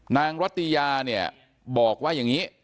นางรัตยาบอกว่าอย่างนี้